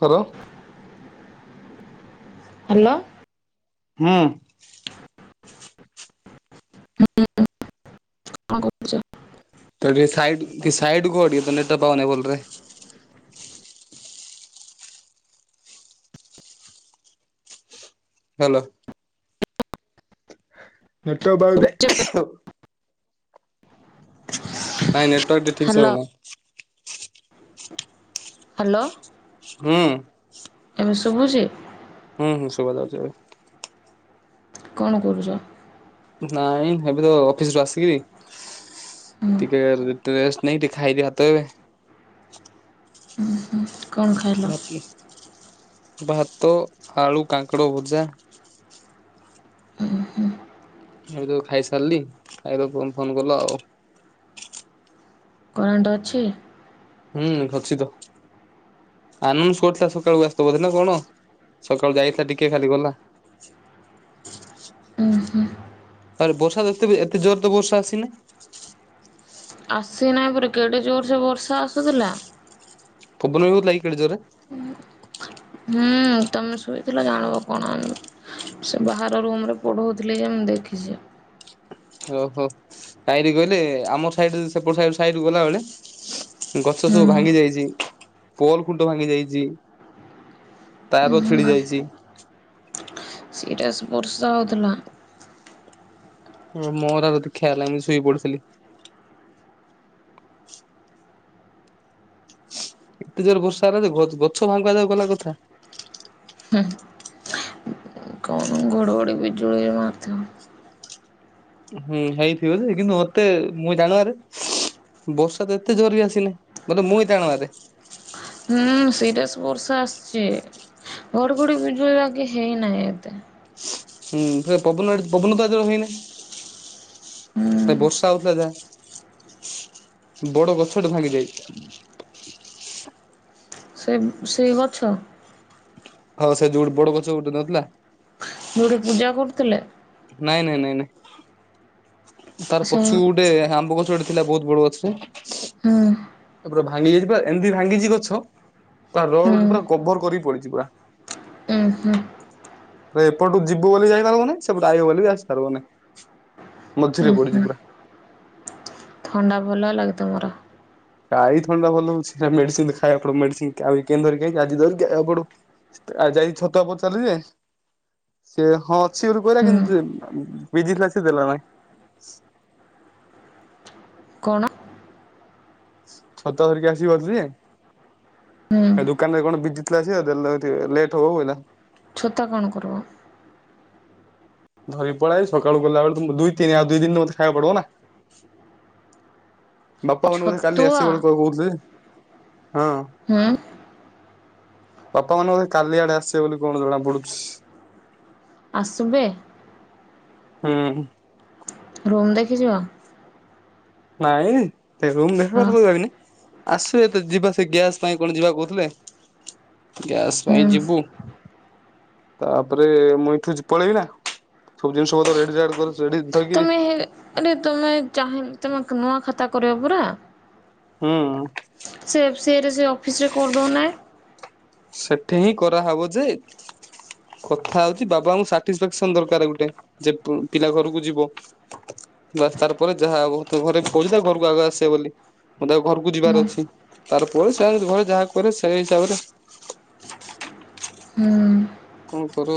ଥର ହ୍ୟାଲୋ ହୁଁ ହୁ ହୁ କଣ ଗପୁଚ? ତାଇ କି ସାଇଡକୁ ସାଇଡି କୁହ ଟିକେ କନେକ୍ଟ ଟା ପାଉନି ବୋଲରେ ହ୍ୟାଲୋ ନେଟ ୱର୍କ ପାଉନି ନାଇଁ ନେଟୱାର୍କ ଟେ ଠିକ ସେ ହ୍ୟାଲୋ ହବନା ହ୍ୟାଲୋ ହୁଁ ଶୁଭୁଛି ହୁଁ ହୁଁ ଶୁଭାଯାଉଛି ଏବେ କଣ କରୁଛ? ନାଇଁ ଏବେ ତ ଅଫିସ ରୁ ଆସିକିରି ହୁଁ ଟିକେ ଟ୍ରେ ରେଷ୍ଟ ନେଇ ଟିକେ ଖାଇଦିଏ ଭାତ ଏବେ। କଣ ଖାଇଲ । ଭାତ ଭାତ ଆଳୁ କାଙ୍କଡ଼ ଭଜା । ଏବେ ତ ଖାଇସାରିଲି ଖାଇର ତମେ ଫୋନ କଲ ଆଉ । କରେଣ୍ଟ ଅଛି । ହୁଁ ଅଛି ତ ଆନନ୍ଦ ଫୋର୍ ଟା ସକାଳୁ ଆଶୁଥିବ ବୋଧେ ନା କଣ। ସକାଳୁ ଯାଇଥିଲା ଟିକେ ଖାଲି ଗଲା । ତାପରେ ବର୍ଷାତ ଏତେ ବି ଏତେ ଜୋର ତ ବର୍ଷା ଆସିନି । କେଡେ ଜୋର ସେ ବର୍ଷା ଆସୁଥିଲା। ପବନ ବି ହେଉଥିଲା କି କେଡେ ଜୋରେ। ହୁଁ ତମେ ଶୋଇଥିଲ ଜାଣିବ କଣ ସେ ବାହାର ରୁମ ରେ ପଢଉଥିଲି ଯେ ମୁ ଦେ ଦେଖିଛି । ଓହୋ ଟାହିରି କହିଲେ ଆମର ସାଇଡ ରେ ସେପଟ ସାଇଟ ସାହି ରୁ ଗଲାବେଳେ । ଗଛ ସବୁ ହୁଁ ଭାଙ୍ଗି ଯାଇଛି । ପୋଲ ଖୁଣ୍ଟ ଭାଙ୍ଗି ଯାଇଛି। ତାର ଛିଡି ଯାଇଛି। ସିରେସ୍ ବର୍ଷା ହଉଥିଲା। ମୋର ଆଉ ଏତେ ଖିଆଲ ନାହିଁ ମୁଁ ଶୋଇ ପଡିଥିଲି। ଏତେ ଜୋର ବର୍ଷା ହେଲା ଯେ ଗ ଗଛ ଭାଙ୍ଗିବା ଯାଏ ଗଲା କଥା । କଣ ଘଡ଼ଘଡ଼ି ବିଜୁଳି ମାରିଥିବ। ହୁଁ ହେଇଥିବ ଯେ କିନ୍ତୁ ମତେ ମୁଁ ଜାଣିବରେ । ବର୍ଷା ତ ଏତେ ଜୋର ବି ଆସିନି ବୋଲେ ମୁଁଇ ଜଣେବାରେ। ହୁଁ ସିରିଏସ ବର୍ଷା ଆସିଛି ଘଡିଘଡି ବିଜୁଳି ବାକି ହେଇନାହିଁ ଏତେ। ହୁଁ ଫେ ପବନ ଏଡେ ପବନ ତ ଏଡ଼େ ଜୋରେ ହେଇନି। ଖାଲି ବର୍ଷା ହଉଥିଲା ଯା । ବଡ ଗଛ ଟେ ଭାଙ୍ଗି ଯାଇଚି। ସେ ସେଇ ଗଛ। ହଁ ସେ ଯୋଉଠୁ ବଡ ଗଛ ଗୋଟେ ନଥିଲା । ଯୋଉଠି ପୂଜା କରୁଥିଲେ। ନାଇଁ ନାଇଁ ନାଇଁ ନାଇଁ ତାର ସେ ହୁଁ ପଛୁକୁ ଗୋଟେ ଆମ୍ବ ଗଛ ଗୋଟେ । ପିଲା ବହୁତ ବଡ ଅଛି। ହୁଁ । ପୁରା ଭାଙ୍ଗି ଯାଇଛି ପୁରା ଏମିତି ଭାଙ୍ଗିଛି ଗଛ ପୁରା ରୋଡ କୁ ଉଁ ପୁରା କଭର କରି ପୁଡ଼ିଯିବ ହୁଁ । ଧର ଏପଟୁ ଯିବୁ ବୋଲି ଯାଇ ପାରିବନି ସେପଟେ ଆଇିବ ବୋଲି ବି ଆସି ପାରିବନି। ମଝିରେ ଉଁ ହୁଁ ପଡୁଛି ପୁରା। ଥଣ୍ଡା ଭଲ ହେଲା କି ତମର? କାଇ ଥଣ୍ଡା ଭଲ ହଉଛି ମେଡିସିନ ତ ଖାଇବାକୁ ପଡିବ। ମେଡିସିନ କାଲି କେନ ଧରି କି ଆଇଚି ଅଜୀ ଧରିକି ଆଇବାକୁ ପଡିବ। ଆଜି ଯାଇକି ଛତୁଆ ପଚାରିଲି ଯେ । ସେ ହଁ ଅଛି ବୋଲି କହିଲା ହୁଁ କିନ୍ତୁ ସେ ବିଜି ଥିଲା ସେ ଦେଲା ନାଇଁ। କଣ? ଛତା ଧରିକି ଆସିି ପାରୁଚି? ହୁଁ ସେ ଦୋକାନ ରେ କଣ ବିଜିଥିଲା ସେ ଦେଲା ଆକୁ ଟିକେ ଲେଟ୍ ହବ ବୋଇଲା। ଛତା କଣ କରିବ? ଧରିକି ପଳିଆସିଚି ସକାଳୁ ଗଲା ବେଳେକୁ ଦୁଇ ତିନି ଆଉ ଦିନ ମତେ ଖାଇବା ପଡିବ ନା। ବାପା ମାନେ ବୋଧେ କାଲି ଛତୁଆ ଆସିବେ ବୋଲି କ କହୁଥିଲେ। ହଁ। ହୁଁ! ବାପା ମାନେ ବୋଧେ କାଲି ଆଡେ ଆସିବେ ବୋଲି କଣ ଜଣା ପଡୁଛି। ଆସିବେ! ହୁଁ! ରୁମ୍ ଦେଖିଚ? ନାଇଁ ରୁମ ହଁ ଦେଖିବାକୁ ତ ଯାଇନି। ଆସୁ ଏତେ ଯିବା ସେ ଗ୍ୟାସ୍ ପାଇଁ କଣ ଯିବା କହୁଥିଲେ। ଗ୍ୟାସ ପାଇଁ ହୁଁ ଯିବୁ। ତାପରେ ମୁଁ ଏଇଠୁ ପଳେଇବି ନା। ସବୁ ଜିନିଷ ପତ୍ର ରେଡି ରାଡ କରି ରେଡି ଧରିକିରି ଏରେ ତମେ ଚାହା ତମେ ନୂଆ ଖାତା କରିବ ପରା। ହୁଁ। ସେ ଏଫ ସିଆଇରେ ସେ ଅଫିସରେ କରିଦେଉନା। ସେଠି ହିଁ କରାହେବ ଯେ କଥା ହୋଉଚି ବାବାଙ୍କୁ ସାଟିସଫାକ୍ସନ ଦରକାର ଗୋଟେ ଯେ ପିଲା ଘରକୁ ଯିବ। ବା ତାର ପରେ ଯାହାବ ତ ଘରେ [unintelligible] ଘରକୁ ଆଗ ଆସିବେ ବୋଲି। ମୁଁ ତା ଘରକୁ ହୁଁ ଯିବାର ଅଛି ତାର ପରେ ସେମାନେ ଘରେ ଯାହା କରେ ସେଇ ହିସାବ ହୁଁ କଣ କରୁ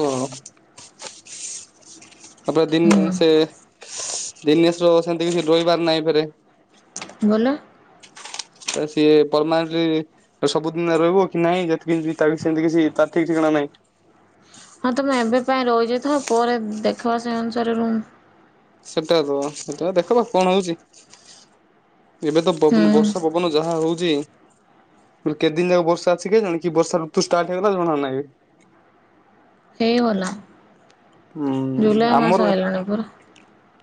ତାପରା ଦିନ ହୁଁ ସେ ଦିନେଶ ର ସେମତି କିଛି ରହିିବାର ନାହିଁ ଫେରେ ଗଲ ସିଏ ପର୍ମନେଟଲି ସବୁଦିନ ରହିବ କି ନାହିଁ ସେମିତି କିଛି ତ ଠିକ ଠିକଣା ନାହିଁ। ହଁ ତ ମୁଁ ଏବେ ପାଇଁ ରହିଚି ତ ପରେ ଦେଖବା ସେଇ ଅନୁସାରେ ରୁ ସେଟା ତ ସେଟା ଦେଖବା କଣ ହୋଉଚି ଏବେ ହୁଁ ତନ ବର୍ଷା ପବନ। ଯାହା ହୋଉଚି କେତେ ଦିନ ଯାକ ବର୍ଷା ଅଛି କେ ଜଣ କି ବର୍ଷା ଋତୁ ଷ୍ଟାର୍ଟ ହେଇଗଲା ଜଣାନାହିଁ। ହେଇଗଲା ହୁଁ ଜୁଲାଇ ଆମର ମାସ ଆଲାଣିପରା।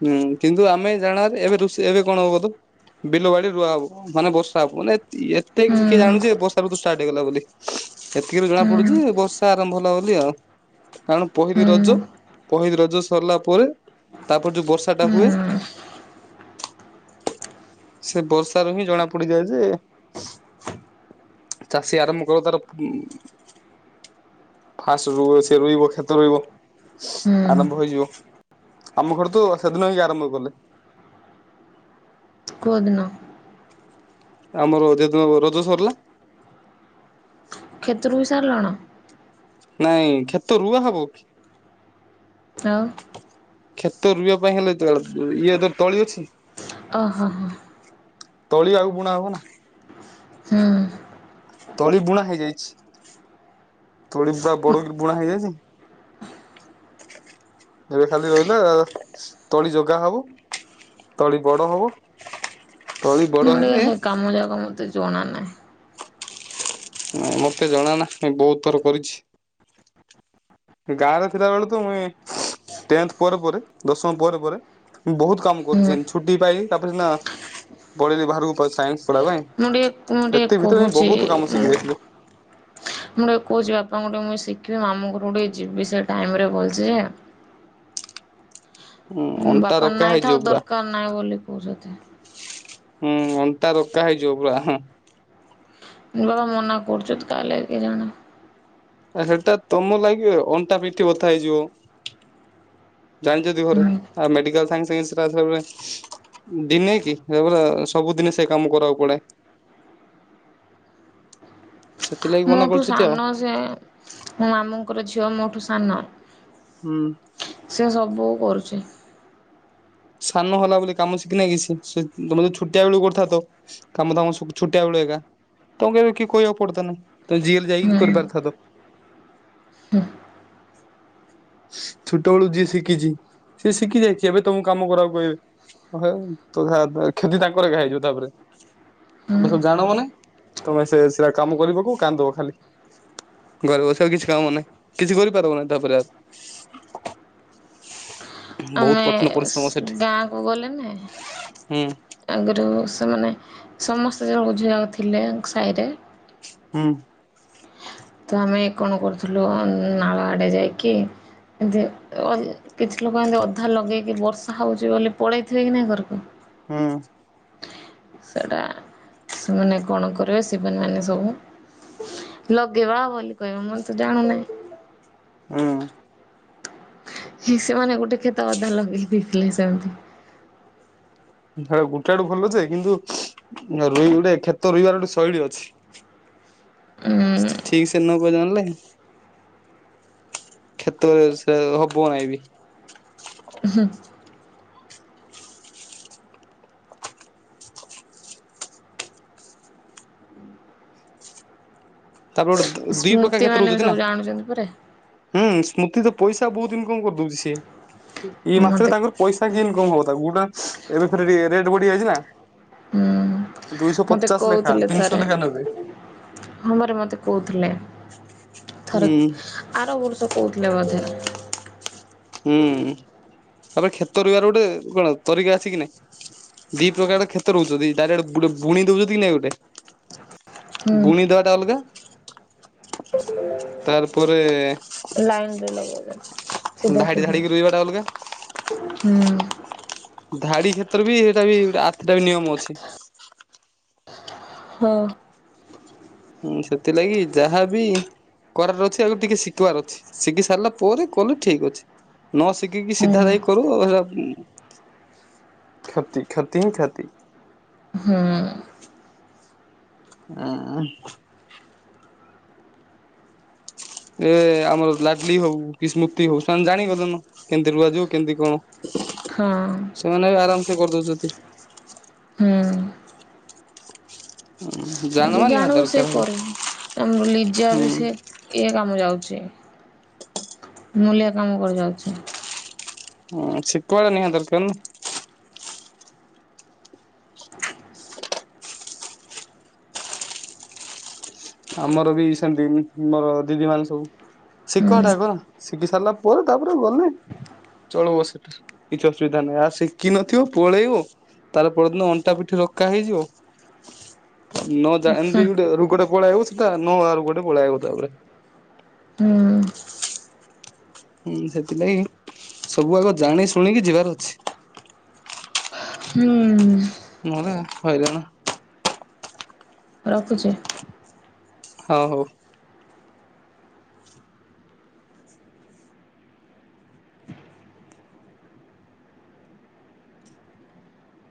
ହୁଁ କିନ୍ତୁ ଆମେ ଜାଣାରେ ଏବେ ଋଷି ଏବେ କଣ ହବ ବିଲବାଡି ରୁଆ ହବ, ମାନେ ବର୍ଷା ହବ ମାନେ ଏତେ କି କିଏ ହୁଁ ଜାଣୁଛି ବର୍ଷା ଷ୍ଟାର୍ଟ ହେଇଗଲା ବୋଲି। ଏତିକିରେ ଜଣା ହୁଁ ପଡୁଚି ବର୍ଷା ଆରମ୍ଭ ଭଲ ବୋଲି ଆଉ କାରଣ ପହରି ହୁଁ ରଜ। ପହଁଲି ରଜ ସରିଲା ପରେ ତାପରେ ଯୋଉ ବର୍ଷା ଟା ହୁଏ ହୁଁ ସେ ବର୍ଷ ର ହିଁ ଜଣା ପଡିଯାଏ ଯେ ଚାଷୀ ଆରମ୍ଭ କର ତାର ଫା ର ସେ ରହିବ କ୍ଷେତ ରହିବ। ହୁଁ ଆରମ୍ଭ ହେଇଯିବ ଆମ ଘର ତ ସେଦିନ ହେଇକି ଆରମ୍ଭ କଲେ। ବଦନ। ଆମର ଯେଦିନ ରଜ ସରିଲା କ୍ଷେତରୁ ବି ସାରିଲଣ ନାଇଁ କ୍ଷେତ ରୁଆ ହବ କି? ଆଉ। କ୍ଷେତ ରୁଇବା ପାଇଁ ହେଲେ ଇଏ ଧର ତଳି ଅଛି। ଓ ହୋ। ତଳିଆକୁ ବୁଣା ହବ ନା। ହୁଁ ତଳି ବୁଣା ହେଇଯାଇଚି। ଥୋଡି ପୁରା ବଡ ବୁଣା ହେଇଯାଇଚି। ଏବେ ଖାଲି ରହିଲା ତଳି ଯୋଗା ହବ। ତଳି ବଡ଼ ହବ। ତଳି ମୁଁ ବଡ ଗୋଟେ ହେଲେ ସେ କାମ ଯାକ ମତେ ଜଣା ନାହିଁ ମତେ ଜଣା ନା ମୁ ବୋହୁତ ଥର କରିଚି। ଗାଁରେ ଥିଲା ବେଳ ତ ମୁଇ ଟେନଥେ ପରେ ପରେ ଦଶମ ପରେ ପରେ ବୋହୁତ କାମ ହୁଁ କରିଚି ଛୁଟି ପାଇ ତାପରେ ସିନା ପଢେଇଲେି ବାହାରକୁ ସାଇନ୍ସ ପାଇଁ ସେଥି ଭିତରେ ବୋହୁତ କାମ ଶିଖି ଯାଇଥିଲୁ। ହଁ ମୁ [unintelligible] ତମଠୁ ମୁଇଁ ଶିଖିବି ମାମୁ ଘରୁ ଟିକେ ଯିବି ସେ ଟାଇମରେ ବଲଛି ଯେ ହୁଁ ଅଣ୍ଟା ବାପା ରକା ନାଇଁ ହେଇଯିବ ଥାଉ ପୁରା। ଦରକାର ନାହିଁ ବୋଲି କହୁଛନ୍ତି। ହୁଁ ଅଣ୍ଟା ରକା ହେଇଯିବ ପୁରା। ବାବା ମନା କରୁଛତି କାଲି କେଜାଣି। ଆ ସେଟା ତମ ଲାଗି ଅଣ୍ଟା ପିଠି ବଥା ହେଇଯିବ। ଜାଣିଛନ୍ତି ଘରେ ହୁଁ ଆଉ ମେଡିକାଲ ସାଙ୍ଗେ ସାଙ୍ଗେ [unintelligible] ଦିନେ କି ସେପୁରା ସବୁଦିନେ ସେ କାମ କରିବାକୁ ପଡେ। ସେଥିଲାଗି ମନା ମୋଠୁ କରୁଛନ୍ତି ଆଉ ସାନ ସେ ମାମୁ। ତାଙ୍କର ଝିଅ ମୋଠୁ ସାନ ହୁଁ। ସିଏ ସବୁ କରୁଛି। ସାନ ହେଲା ବୋଲି କାମ ଶିଖିନାହିଁ କି ସେ ତମେ ଯଦି ଛୋଟିଆ ବେଳୁ କରିଥାନ୍ତ କାମ ଦାମ ସବୁ ଛୋଟିଆ ବେଳୁ ଏକା ତମ କେବେ କି କହିବାକୁ ପଡଥାନା ତ ଜେଲ ଯାଇକି କରିପାରିଥାନ୍ତ। ହୁଁ। ଛୋଟବେଳୁ ଯିଏ ଶିଖିଛି। ସିଏ ଶିଖି ଯାଇଛି ଏବେ ତମକୁ କାମ କରିଆକୁ କହିବେ ତ କ୍ଷତି ତାଙ୍କର ଏକା ହେଇଯିବ ତାପରେ ତମେ ହୁଁ ସବୁ ଜାଣ ମାନେ ତମେ ସେ ସେଟା କାମ କରିବ କୁ କାନ୍ଦ ଖାଲି ଘର ବସିବା କିଛି କାମ ନାହିଁ କିଛି କରିପାରିବ ନାହିଁ ତାପରେ ବହୁତ ଆମେ କଠିନ ପରିଶ୍ରମ ସ ସେଠି ଗାଁକୁ ଗଲେନା ହୁଁ ଆଗରୁ ସେମାନେ ସମସ୍ତେ ବୁଝିବାକୁ ଥିଲେ ସାହିରେ। ହୁଁ। ତ ଆମେ କଣ କରୁଥିଲୁ ନାଳ ଆଡ଼େ ଯାଇକି ଏମତି ଅ କିଛି ଲୋକ ଏମତି ଅଧା ଲଗେଇକି ବର୍ଷା ହଉଛି ବୋଲି ପଳେଇ ଥିବେ କି ନାଇଁ ଘରକୁ ହଁ। ସେଇଟା ସେମାନେ କଣ କରିବେ ଶିବାନି ମାନେ ସବୁ? ଲଗେଇବା ବଲି କହିବ ମୋର ତ ଜାଣୁନି। ହଁ। ସେମାନେ ଗୋଟେ କ୍ଷେତ ଅଧା ଲଗେଇ ଦେଇଥିଲେ ସେମିତି ହେ ଗୋଟେଡୁ ଭଲଛେ କିନ୍ତୁ ଅ ରୋଇ ଗୋଟେ କ୍ଷେତ ରୋଇବାର ଗୋଟେ ଶୈଳୀ ଅଛି। ଉଁ ଠିକ ସେ ନ କହି ଜାଣିଲେ କ୍ଷେତ [unintelligible] ସେଟା ହବ ନାହିଁ ବି। ତାପରେ ଗୋଟେ ଦିଇ ପ୍ରକାର ସ୍ମୃତି କ୍ଷେତ୍ର ମାନେ ବି ରଉଛନ୍ତି ନା। ସବୁ ଜାଣୁଛନ୍ତି ପରା ହୁଁ ସ୍ମୃତି ତ ପଇସା ବହୁତ ଇନକମ କରିଦଉଛି ସିଏ ଇଏ ମାସରେ ମତେ ତାଙ୍କର ପଇସା କିଇ କଣ ହବ ତାକୁ କୋଉଟା ଏବେ ଫେର ରେ-ରେଟ ବଢିଆ ଯାଇଛି ନା। ହୁଁ ଦୁଇଶହ ମତେ ପଚାଶ ଲେଖା କହୁଥିଲେ ତିନିଶହ ଥରେ ଲେଖା ନେବେ। ହମରେ ମତେ କୋଉଥିଲେ ଥରେ ହୁଁ ଆର ବର୍ଷ କହୁଥିଲେ ବୋଧେ ହୁଁ ତାପରେ କ୍ଷେତ ରୋଇବାର ଗୋଟେ କଣ ତରିକା ଅଛି କି ନାଇଁ। ଦି ପ୍ରକାରର କ୍ଷେତ ରହୁଛନ୍ତି ଡାଇରେଟ ବୁ-ବୁଣି ଦଉଛନ୍ତି କି ନାଇଁ ଗୋଟେ? ହୁଁ। ବୁଣି ଦେବା ଟା ଅଲଗା ତାପରେ ଲାଇନ୍ ରେ ଲଗଉଛନ୍ତି ସିଧା ଧାଡି ଧାଡିକି ରୁଇବା ଟା ଅଲଗା। ହଁ। ଧାଡି କ୍ଷେତ୍ର ବି ହେଇଟା ବି ଆଥଟା ବି ନିୟମ ଅଛି। ହୁଁ । ହୁଁ ସେଥିଲାଗି ଯାହାବି କରାର ଅଛି ଆଗ ଟିକେ ଶିଖିବାର ଅଛି, ଶିଖି ସାରିଲା ପରେ କଲେ ଠିକ ଅଛି। ନ ଶିଖିକି ହୁଁ ହୁଁ ସିଧା ଯାଇ କରୁ ହେରା ଉଁ କ୍ଷତି କ୍ଷତି ହିଁ କ୍ଷତି। ହଁ। ଅଁ। ଏ ଆମର ଲାଡଲି ହଉ କି ସ୍ମୃତି ହଉ ସେମାନେ ଜାଣିଗଲେନ କେମିତି ରୁଆ ଯିବ କେମିତି କଣ? ହଁ। ସେମାନେ ବି ଆରାମ୍ ସେ କରିଦଉଛନ୍ତି। ହୁଁ। ହୁଁ। ଯେ ଜାଣିବୁ ସେ କରିବୁ, ଆମର ଲିଜା ବି ହୁଁ। ସେ ଇଏ କାମ ଯାଉଛି। ମୁଲିଆ କାମ କରି ଯାଉଛି। ହଁ ସିଖିବା [unintelligible] ନିହାତି ଦରକାର। ଆମର ବି ସେମିତି ମୋର ଦିଦି ମାନେ ସବୁ ଶିଖ ଟା ହୁଁ [inaudible] କଣ ଶିଖି ସାରିଲା ପରେ ତାପରେ ଗଲେ ଚଳିବ ସେଟା କିଛି ଅସୁବିଧା ନାହିଁ ଆଉ ଶିଖିିନଥିବ ପଳେଇବ? ତାଏଲେ ପରଦିନ ଅଣ୍ଟା ପିଠି ରକା ହେଇଯିବ? ନ ଜାଣି ଦି ହୁଁ ଗୋଟେ ରୋଗ ଟା ପଳେଇବ ସେଟା [unintelligible] ନ ଆ ଗୋଟେ ପଳେଇବ ତାପରେ। ହୁଁ ହୁଁ ସେଥିଲାଗି ସବୁ ଆଗ ଜାଣି ଶୁଣିକି ଯିବାର ଅଛି। ହୁଁ ନହଲେ ହଇରାଣ। ରଖୁଛି? ହଉ ହଉ।